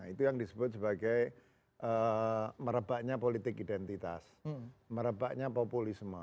itu yang disebut sebagai merebaknya politik identitas merebaknya populisme